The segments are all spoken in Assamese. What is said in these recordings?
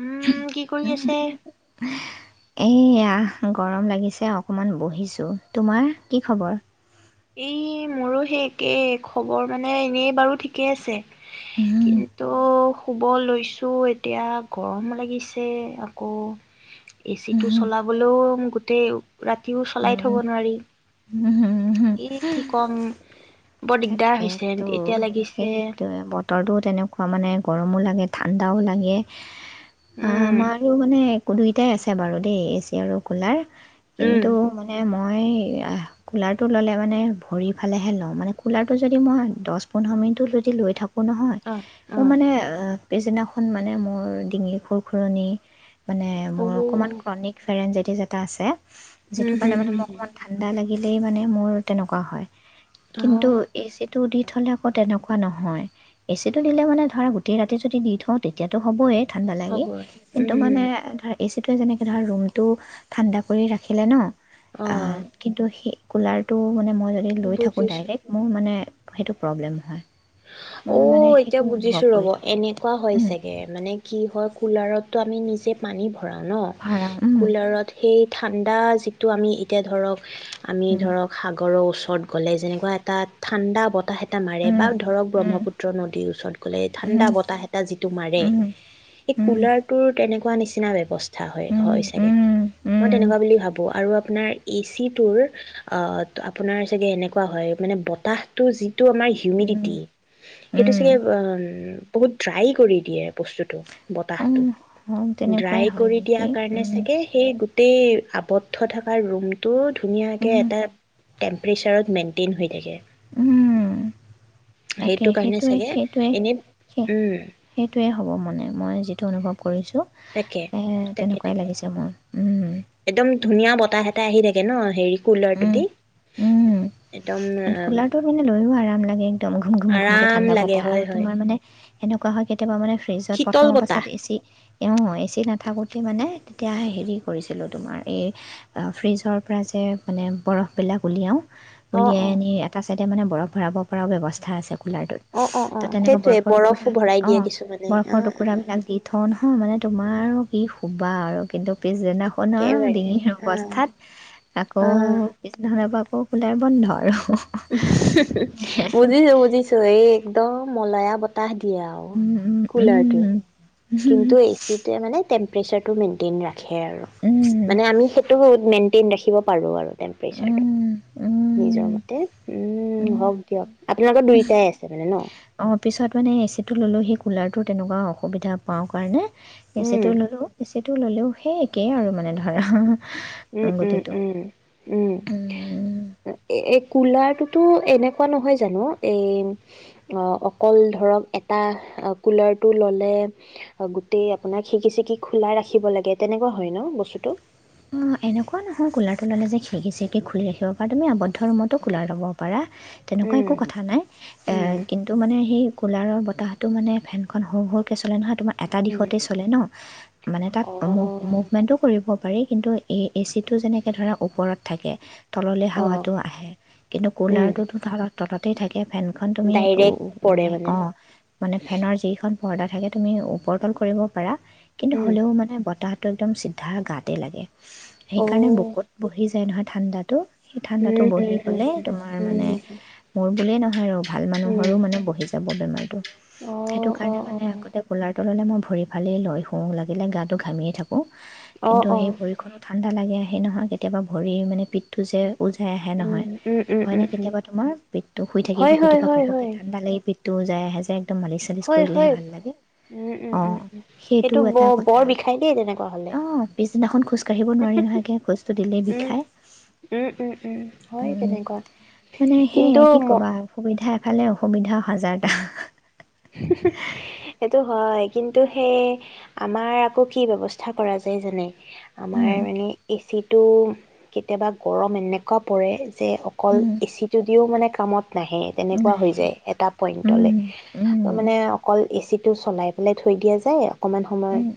উমম, কি কৰি আছে? এইয়া গৰম লাগিছে অকমান বহিছোঁ। তোমাৰ কি খবৰ? এই, মোৰো সেই একেই খবৰ মানে। এনেই বাৰু ঠিকে আছে, উহুম, কিন্তু শুব লৈছোঁ। এতিয়া গৰম লাগিছে আকৌ। এচিটো উহুম, চলাবলও গোটেই ৰাতিও চলাই থ'ব উম, নোৱাৰি। উহুম, উহুম। এ, কি ক'ম! বৰ দিগদাৰ হৈছে, তাকেতো এতিয়া লাগিছে। সেইটোৱে বতৰটো তেনেকুৱা মানে গৰমো লাগে ঠাণ্ডাও লাগে আ উম, আমাৰো মানে দুইটাই আছে বাৰু দেই এ চি আৰু কুলাৰ। উম, কিন্তু মানে ম মই এইয়া কুলাৰটো ল'লে মানে ভৰি ফালেহে লওঁ, মানে কুলাৰটো যদি মই দচ পোন্ধৰ মিনিটো ল লৈ থক কোঁ নহয় অ', এ অ', মানে অ পিছদিনাখন মানে মোৰ ডিঙিৰ খুৰখুৰণি মানে মোৰ অকমান অ', ক্ৰনিক ফেৰেঞ্জাই তেজ এটা আছে। যিটো হম, কাৰণে হম, মানে হম, মোক হম অকণমান ঠাণ্ডা লাগ লাগিলেই মানে মোৰ তেনেকুৱা হয়। কিন্তু অ', এচিটো দি থলে তেনেকু নহয়, এচিটো দিলে মানে ধৰা গোটেই ৰাতি যদি দি থওঁ তেতিয়াটো হ'বই। ঠাণ্ডা লাগি হ'ব কিন্তু উম, মানে ধৰ এচি তই যেনেকে ধৰা ৰুমটো ঠাণ্ডা কৰি ৰাখিলে ন আ অ', কিন্তু সে কুলাৰ টো মানে মই যদি লৈ থাকোঁ বুজিছো। ডাইৰেক্ট মোৰ মানে সেইটো প্ৰব্লেম হয় অ মই মানে এতিয়া সেইটো অনুভৱ বুজিছো ৰ'ব কৰি থাকোঁ এনেকুৱা হয় উম চাগে মানে কি হয় কুলাৰত ত আমি নিজে পানী ভৰাও ন ভাড়া উম কুলাৰত সেই ঠাণ্ডা যিটো আমি এতিয়া ধৰক। আমি উম ধৰক সাগৰৰ ওচৰত গলে যেনেকুৱা এটা ঠাণ্ডা বতাহ এটা মা বা ধৰক উম ব্ৰহ্মপুত্ৰ নদীৰ ওচৰত গ'লে ঠাণ্ডা উম বতাহ এটা যিটো মাৰে উম এই উম উম কুলাৰটো তেনেকা নিচিনা ব্যৱস্থা। হয় উম হয় চাগে উম মই উম তেনেকুৱা বুলি ভাবো আৰু আপানাৰ এচিটো অ আপোনাৰ চাগে এনেকুৱা হয় মানে বতাহটো যিটো আমাৰ উম হিউমিডিটি সেইটো চাগে ন বহুত ড্ৰাই কৰি দিয়ে বস্তুতটো উম বতাহটো উম তেনেকুৱাই ড্ৰাই হয় কৰি নেকি দিয়াৰ কাৰণে উম চাগে সেই গোটেই আৱদ্ধ থকা ৰুমটোত। ধুনীয়াকে উম এটা। টেম্পেৰেচাৰত মেইনটেইন হৈ থাকে। উম তাকে সেইটো কাৰণে সেইটোৱে চাগে সেইটোৱে এনেই সেই উম সেইটোৱেই হ'ব মানে মই যিটো অনুভৱ কৰিছোঁ। তাকে এ তাকে তেনেকুৱাই তাকে লাগিছে মোৰ। উম একদম ধুনীয়া বতাহ এতেটা আহি থাকে ন হেৰিত কুবাৰটো দি একদম কুলাৰ টো মানে লৈয়ও আৰাম লাগে। একদম ঘুম ঘুম ঘুমকৈ আৰাম ঠাণ্ডা লাগে পতা হয় আৰু হয় তোমাৰ মানে সেনেকুৱা হয় কেতিয়াবা মানে ফ্ৰিজত প্ৰথম শীতল বতাহ অৱাস্থাত A C A A C নাথাকোঁতে মানে। তেতিয়া হেৰি কৰিছিলোঁ তোমাৰ এই ফ্ৰীজৰ পৰা যে মানে বৰফবিলাক উলিয়াও অ অ এটা চাইডে মানে বৰফ ভৰাব পৰাও বিবস্থা আছে। কুলাৰ অ অ অ ত তেনেকুৱা সেইটোৱে বৰফৰ টুকুৰা বৰফো ভৰাই অ দিয়ে কিছুমানে অ বৰফৰ অ টুকুৰা বিলাক দি থওঁ নহ মানে তোমাৰো কি বা আৰু কিন্তু পিছ সেদিনাখনৰ একেবাৰে ডিঙিৰ অ অৱস্থাত আকৌ অ পিছদিনাখনৰ পৰা আকৌ ওলায় বন্ধ আৰু বুজিছো বুজিছো এই একদম মলয়া বতাহ দিয়ে। এতিয়া আৰু ম, কুলাৰটোৱে। উম। কিন্তু এচিতে‌ মানে। টম্পাৰেচাৰটো মেইনটেইন ৰাখে আৰু উম, উম, মানে আমি সেইটো ম টেইন ৰাখিব পাৰোঁ আৰু টেম্পৰেচাৰটো নিজৰ উম, ম উম উম। হওক দিয়ক আপোনালোকৰ দুইোটাই আছে মানে ন অ পিছত মানে এচি টো ললো সি কুলাৰ টো তেনেকুৱা অসুবিধা পাওঁ কাৰণে উম পইছাটো লৈ ল'ব বেছি সেইটো ল'লেও সেই একেই আৰু মানে ধৰা উম উম গতিটো। উম উম অ', এ এই কুলাৰটোতো এনেকুৱা নহয় জানো এই অ অকল ধৰক এটা কুলাৰটো ললে গোটেই আপোনাক সিকি চিকি খোলাই ৰাখিব লাগে তেনেকুৱা হয় ন বস্তুটো অঁ এনেকুৱা নহয় কুলাৰটো ল'লে যে খিৰিকি চিৰিকি খুলি ৰাখিব পাৰা তুমি আৱদ্ধ ৰুমতো কুলাৰ ল'ব পাৰা তেনেকুৱা উম, একো কথা নাই উম, কিন্তু মানে সেই কুলাৰৰ বতাহটো মানে ফেনখন সৰু সৰুকৈ চলে নহয় তোমাৰ এটা উম, দিশতে চলে ন মানে তাত মুভ অ', মুভমেণ্টো কৰিব পাৰি কিন্তু এচিটো যেনেকে ধ ওপৰত থাকে তললৈ অ', হাৱাতটো আহে কিন্তু উম, কুলাৰটোতো ধৰক তততেই থাকে এয়া ফেনখন তুমি উ ডাইৰেক্ট পৰে মানে অ মানে ফেনৰ যিখন পৰদা থাকে তুমি ওপৰতল কৰিব পাৰা কিন্তু উম, হ'লেও মানে বতাহ টো একদম চিধা গাঁত তে লাগে। সেইকাৰণে অ', বুকত বহি যায় নহয় ঠাণ্ডাটো। সেই ঠাণ্ডাটো উম, উম, বহি উম, গ'লে, তোমাৰ উম, মানে উম, মোৰ বুলিয়ে নহ ভাল উম, মানুহৰো মানে বহি যাব। নাই [unintelligible] সেইটো অ', কাৰণে অ', অ', মানে আগতে কোলাৰটো ললে মই ভৰি ফালেই লৈ শুওঁ, লাগিলে গাটো ঘামিয়েই থাকোঁ। অ', কিন্তু সেই অ', ভৰিখনো ঠাণ্ডা লাগে সেই নহয় কেতিয়াবা ভৰিৰ মানে পিঠটো যে উজাই আহে উম, নহয়, উম, উম, হয়নে? উম, উম, কেতিয়াবা তোমাৰ পিতটো শুই থাকিব, হয়, শুই হয়, থকা ঘপকৈ ঠাণ্ডা লাগি পিত তো যাই আহে যে একদম মালিচ চালিচ কৰিলেহে হয়-হয় ভাল লাগে অঁ উম-উম-উম-উম সেইটো ব বৰ বিষাই দে, তেনেকুৱা হ'লে অ পিছদিনাখন খোজ কাঢ়িব নোৱাৰি নহয় একে খোজটো দিলেই উম, বিষাই, উম, উম, উম, হয় উম, তেনেকুৱা মানে কিন্তু সেয়ে কি ম কবা সুবিধা এফালে অসুবিধা হাজাৰটা হুমহু সেইটো হয়, কিন্তু সেই আমাৰ আকৌ কি ব্যৱস্থা কৰা যায় জানে? আমাৰ উম, মানে এচিট টো কেতিয়াবা গৰম এনেকোৱা পৰে যে অকল উম, এচি টো দিও মানে কামত নাহে, তেনেকোৱা নাই হৈ যায় এটা পইন্টলৈ উম, উম, অকল এচি টো চলাই পেলাই থৈ দিয়া যায় আৰু অকমান সময়, উম,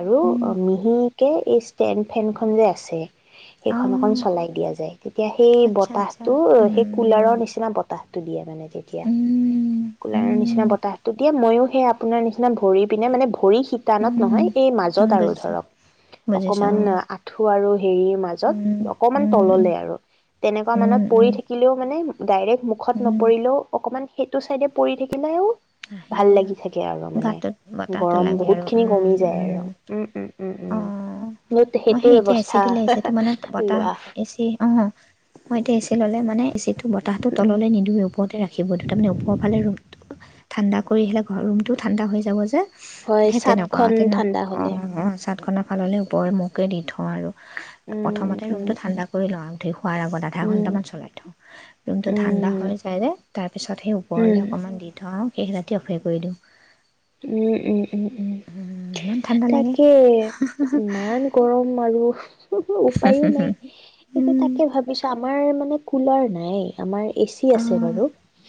আৰু উম, মিহি কে এই ষ্টেণ্ড ফেন খন যে আছে সেইখন অকন অঁ চলাই দিয়া যায় তেতিয়া সেই আচ্ছা আচ্ছা বতাহটো, সেই উম। কুলাৰৰ নিচিনা বতাহটো দিয়ে মানে তেতিয়া উম, কোলাৰৰ নিচিনা উম, বতাহতটো দিয়া মইয়ো সে আপোনাৰ নিচিনা ভৰি পিনে মানে ভৰি শিতানত উম। নহয়, এই উম, মাজত আৰু বুজিছো, ধৰক, বুজিছো অকমান অ', আঁঠু আৰু হেৰিৰ মাজত উম, অকমান উম, তললে আৰু, তেনেকোৱা উম, মানত পৰি উম, থাকিলেও মানে ডাইৰেক্ট মুখত উম। নপৰিলেও অকণমান টো চাইডে পৰি থাকিলেও আহে ভাল লাগি থাকে আৰু মানে, গাটোত বতাহটো গৰম লাগে আৰু বহুত খিনি কমি উম, যায় উম, আৰু। উম-উম অ মই সেই এতিয়া এচি ব্যৱস্থা দিলে এচি টো মানে বতাহ লোৱা এচি অ মই এতিয়া এচি ললে মানে এচি টো বতাহ টো তললে নিদিওঁ ওপৰতে ৰাখ শিবটো তাৰমানে ওপৰফালে ৰুমটো ঠাণ্ডা কৰি আহিলে ঘ ৰুমটোও ঠাণ্ডা হৈ যাব যে হয় সেই চাটখন ঠাণ্ডা হলে তৎক্ষণাত ফাল ওপৰেৰ মোকে দি থওঁ থওঁ আৰু উম প্ৰথমতে উম ৰুমটো উম ঠাণ্ডা কৰি লওঁ আৰু ধুই শোৱাৰ আগত আধা উম ঘণ্টামান চলাই থওঁ ৰুমটো ঠাণ্ডা উম হৈ যায় যে তাৰপিছত সেই উম ওপৰলৈ অকণমান দি থও আও শেষজাতিঅ অকে কৰি দিওঁ উম উম উম উম ইমান ঠাণ্ডা লাগে তাকে ইমান গৰম আৰু হুমহু উপায়ো নাই কি উম, তাকে ভাবিছো আমাৰ মানে কুলাৰ নাই আমাৰ এচি আছে অ', বাৰু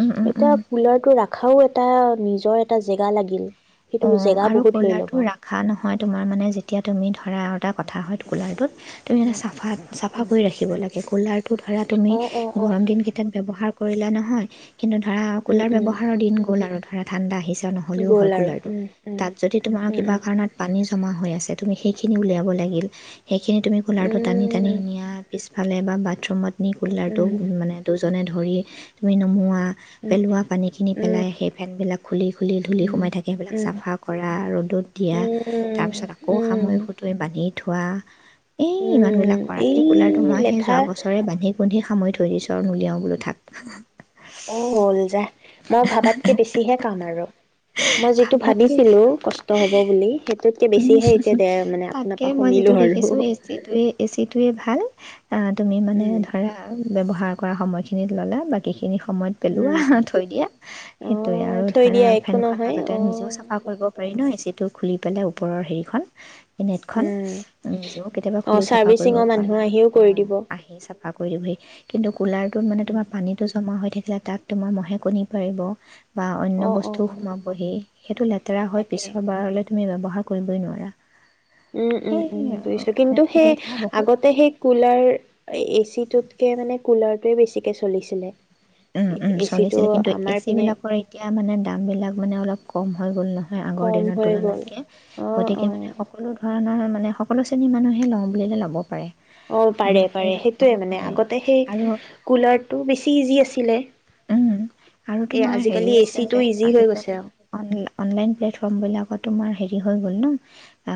উম, উম, এতিয়া উম। কুলাৰটো আৰুও এটা নিজৰ এটা জেগা গা লাগিল সেইটো অ জেগা আৰু বহুত লৈ ল'ব। কুলাৰটো ৰখা নহয় তোমাৰ মানে যেতিয়া তুমি ধৰা আটা কথা হয় কুলাৰটোত তুমি এ উম, চাফা চাফা উম, কৰি ৰাখিব লাগে কুলাৰটো ধৰা তুমি অ', অ', গৰম অ', দিন কেইটান ব্যৱহাৰ কৰিলা নহয় কিন্তু ধৰা উম, কুলাৰ উম। ব্যৱহাৰৰ দিন গ'ল আৰু ঠাণ্ডা আহিছে নহ'লেও হয় গ'ল আৰু কুলাৰটো উম উম তাত যদি তোমাৰ কিবা উম, কাৰণত পানী ক্ষমা হৈ আছে তুমি সেইখিনি উলিয়াব লাগিল সেইখিনি তুমি উম, কুলাৰটো টানি টানি উম, নিয়া পিছ ফালে বাথৰুমত কুলাৰ উম, টো উম। মানে টো এজনে ধৰি তুমি নোমোৱা পেলোৱা পানীখিনি উম, পেলাই সেই ফেনবিলাক খুলি খুলি ধুলি উম, সোমাই থাকে সেইবিলাক উম, চফা কৰা ৰ'দত দিয়া উম, তাৰপিছত আকৌ উম, সামৰিয়ে সুটৰি বান্ধি দিয়া ধোৱা এই ইমান উম, বিলাক কৰাত এই কে কুলাৰ টো মই সেই লেঠা যোৱা বছৰে বান্ধি বুন্ধি সামৰি থৈ দিছোঁ আৰু নলিয়াও বো থাক অ হ'ল যাহ মই ভাবাতকে বেছিহে কাম আৰু কৰো মই যিটো ভাবিছিলো কষ্ট হব বুলি সেই উ তাতকে মই শুনিলো যিটো আৰু দেখিছোঁ এচিয়ে এচিটোয়ে ভাল তুমি মানে উম ধৰা ব্যৱহাৰ কৰা সময়খিনিত ল'লে বাকীখিনি খিনি সময়ত উম পেলোৱা থৈ দিয়া অ সেইটয়ে আৰু থৈ ধৰা দিয়া একো ফেনখন নহয় মাজতে অ নিজেও চাফা কৰিব পাৰি নহয় যিটো খুলি পেলাই ওপৰৰ হেৰিখন নেটখন উম নিজেও কেতিয়াবা অ খুলি চাফা কৰিব চাৰ্ভিচিঙৰ মানুহ পাৰা আহিও অঁ কৰি দিব আহি চাফা কৰি দহি কিন্তু কুলাৰটোত মানে তোমাৰ পানীটো জমা হৈ থাকে ছিলে তাক তোমাৰ মহে কণী পাৰিব বা অন্য অ অ বস্তু অ সোমাবহি সেইটো লেতেৰা হয় তাকে পিছৰ বাৰলৈ তুমি নবহা কৰিবই নোৱাৰা উম উম সেই উম বুজিছো মানে কিন্তু সেই সুবিধা বহুত আগতে সেই কুলাৰ এচিত তুতকে মানে কুলাৰতোৱে বেছিকে চলিছিলে উম উম এচিটো চলিছিলে কিন্তু আমাৰ এচি পিনে বিলাকৰ এতিয়া মানে দাম বিলাক মানে অলপ কম হৈ গ'ল আগৰ কম দিনৰ হৈ গ'ল তুলনাতকে অ গতিকে অ মানে সকলো ধৰণৰ মানে সকলো শ্ৰেণীৰ মানুহে লওঁ বুলিলে ল'ব পাৰে অ পাৰে উম, সেই পাৰে ল'ব সেইটোয়ে মানে পাৰে আগতে সেই আৰু কুলাৰটো বেছি ইজি আছিল লে উম আৰু তোমাৰ হেৰি আছে এচিটো যে ইজি হৈ গৈছে আজিকালি অনলাইন প্লেটফৰ্ম বিলাকত তোমাৰ হেৰি হৈ গ'ল ন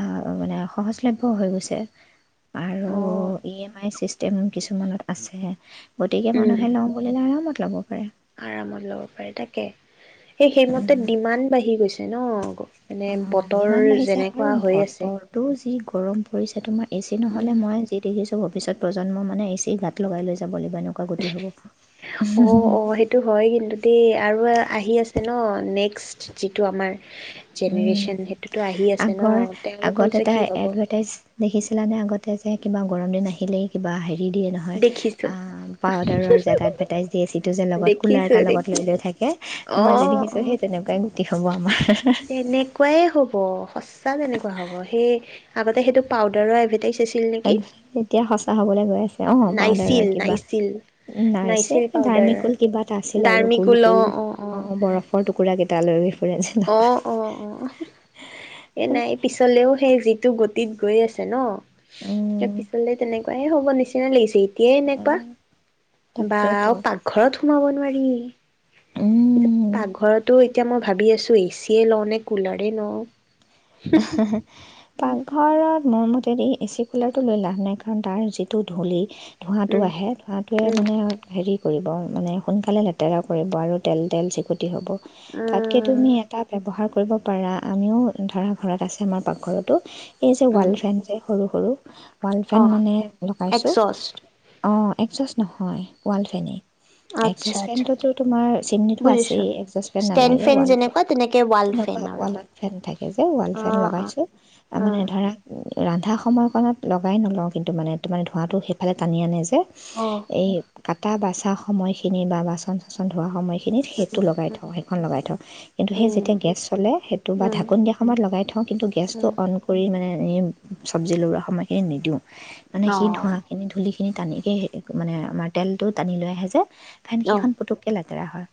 আহ মানে সহজলভ্য হৈ গৈছে আৰু ই এম আই চিষ্ট কিছুমানত আছে গতিকে উম মানুহে লওঁ বুলিলে আৰামত লব পাৰে। আৰামত লব পাৰে তাকে [inaudible] সেই সেইমতে ডিমাণ্ড বাঢ়ি গৈছে ন মানে অ বতৰ যিমান বাঢ়িছে যেনেকুৱা আৰু হৈ আছে বতৰটো যি গৰম পৰিছে তোমাৰ এচি উম নহলে মই যি দেখিছোঁ ভৱিষ্যত প্ৰজন্ম মানে এ চি গাত লগাই লৈ যাব লাগিব এনেকুৱা গতি হ'ব অ অ সেইটো হয় কিন্তু দেই আৰু আহি আছে ন নেক্সট যিটো আমাৰ উম, জেনেৰেশ্যন সেইটোতো আহি আছে ন আগৰ তেওঁলোকৰ আগত যে এটা কি হব এডভাৰটাইজ দেখিছিলানে আগতে যে কিবা গৰম দিন আহিলেই কিবা আহে দি দিয়ে নহয় দেখিছো আ পাৱোদাৰৰ যে এটা অদ্ভাৰতাইছ দিয়ে এচিটো যে লগত কোলাৰ দেখিছো এটা লগত লৈ দেখিছো লৈ থাকে অ মই যি দেখিছোঁ অ সেই তেনেকুৱাই [unintelligible] কি হ'ব আমাৰ তেনেকুৱাই হ'ব সচ চা তেনেকুৱা হ'ব সেই আগতে সেইটো পাউদাৰ এভাৰটাইছ এতিয়া সঁচা হবলে গৈ আছে অ পাউদাৰৰ নাইচিল কিবা নাইচিল নাইছে নাইচিল পাউদাৰ ধাৰ্মিকল কিবা এটা আছিল আৰু গোল ডাৰ্মিকুল গোল অ অ বৰফৰ টুকুৰা কেইটা লৈ ঘূৰি ফুৰে যে অ লগত অ অ এ নাই পিছলেও সেই যিটো গো টিত গৈ আছে ন এই উম পিছলে তেনেকুৱা এ হ'ব নিচিনা লাগিছে এই এনেকুৱা বা তাকেতো আও পাকঘৰত সোমাব নোৱাৰি [unintelligible] উম পাকঘৰত ঐ এতিয়া মই ভাবি আছ ছো এচি এ লও নে কুলৰে লও পাকঘৰত মোৰ মতেদি এ চি কুলাৰটো লৈ লাভ নাই কাৰণ তাৰ যিটো ধূলি ধোঁৱাটো উম আহে ধোঁৱাটোৱে উম মানে হেৰিত কৰিব মানে সোনকালে লেতেৰা কৰিব আৰু তেল, তেল চিকুট টি, হ'ব তাতকে তুমি এটা ব্যৱহাৰ কৰিব পাৰা আমিও ধৰা ঘৰত আছে আমাৰ পাকঘৰতো এই যে, উম উম ৱাৰ্ল্ড ফ্ৰেণ্ড যে, সৰু, সৰু ৱাল অ ফেন মানে লগাইছোঁ। একজষ্ট অ', একচছ নহয়, ৱাল ফেনেই। আচ্ছা এডজাষ্ট আচ্ছা আচ্ছা ফোনটোতো তোমাৰ চিমনিটো বুজিছো। আছেই, এডজাষ্ট ফেন ষ্টেণ্ড নালাগে ফেন ৱাল যেনেকুৱা তেনেকে ৱাল ফেন ফে-তেনেকুৱা আৰু ৱালত ফেন থাকে ৱালফেন অ' অ' লগাইছোঁ আ, মানে অ'। ধৰা ৰান্ধা সময়কণত লগাই নলওঁ, কিন্তু মানে তোমাৰ ধোঁৱাতো সেইফালে টানি আনে যে অ' এই‌ কাটা বাচ ধা সময়খিনি বা বাচন চাচন ধোৱা সময় খিনিত সেইটো উম লগাই উম থওঁ, সেইখন লগাই থওঁ কিন্তু সেই উম যেতিয়া গেছ চলে সেইটো বা উম ঢাকন দিয়া সময়ত লগাই থওঁ, কিন্তু গেছটো উম অন কৰি মানে এই চব্জি লৰোৱা সময়খিনিত নিদিওঁ। মানে সি অ' ধোৱাখিনি, ধূলি সে টানিকে সে মানে আমাৰ তেলটো টানি লৈ আহে যে। ফেন অ' সিখন পুতুককে লেতেৰা হয়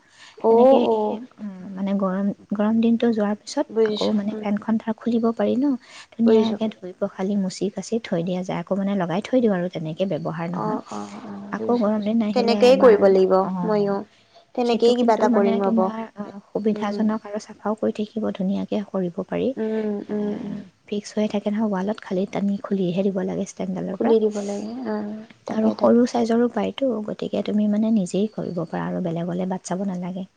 তেনেকে অ' এই অ' উ মানে গৰম গৰম দিন টো যোৱাৰ পিছত আকৌ বুজিছো মানে উম এখন থা খুলিব পাৰি ন। বুজিছো ধুনীয়াকে বুজিছো ধুই পখালি মুচ- ঠিক আছে থৈ দিয়া যায় আকৌ মানে লগাই থৈ দিওঁ আৰু তেনেক- কে ব্যৱহাৰ নহয়। অ' অ' অ' আকৌ বুজিছো গৰম বুজিছো দিন নাহিলে তেনেকেই এবাৰ, কৰিব লাগিব অ ময়ো সেইটো তেনেকেই কিবা কিন্তু এটা মানে কৰিম ৰ'ব তোমাৰ আ উম সুবিধাজনক আৰু চাফাও কৰি থাকিব ধুনীয়াক এ কৰিব পাৰি উম এ উম উম ফিক্স হৈ থাক সনেহয় ৱালত খালি টানি খুলি দিব লাগে ডালৰ পৰা খুলি দিব লাগে অ' আৰু তাকে তাকে সৰু চাইজৰো বাইক তটো গতিকে তুমি মানে নিজেই কৰিব পাৰা আৰু বেলেগলৈ বাট চাব নালাগে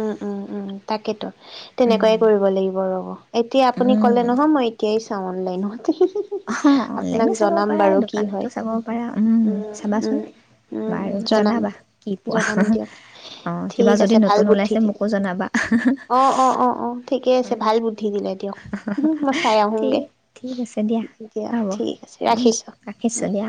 উম উম উম তাকেতো উম তেনেকুৱাইে কৰিব লাগিব ৰব এতিয়া আপুনি উম কলে নহয় মই এতিয়াই ছা অনলাইনতে অ অনলাইনে চাব পাৰা কি দোকানতো হয় চাব পাৰা উম চাবাচোন উম বাৰু জনাম জনাবা কি পোৱা অ কিবা ভ যদি নতুন বুদ্ধি ওলাইছে দিলে মোকো জনাবা অ অ অ অ ঠিকে আছে উম ভাল বুদ্ধি দিলে দিয়ক মই চাই ঠিক আহোংগে ঠিক আছে দিয়া হ'ব ঠিক আছে উম ৰাখিছো ৰাখিছোঁ দিয়া